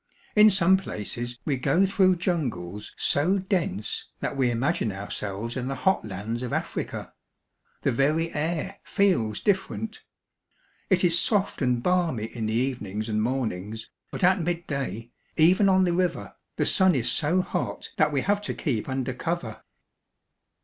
In some places we go through jungles so dense that we imagine ourselves in the hot lands of Africa. The very air feels different. It is soft and balmy in the evenings and mornings, but at midday, even on the river, the sun is so hot that we have to keep under cover.